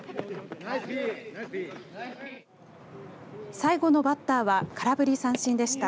最後のバッターは空振り三振でした。